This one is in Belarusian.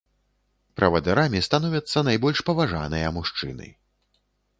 Правадырамі становяцца найбольш паважаныя мужчыны.